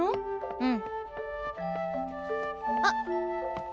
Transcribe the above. うん。あっ！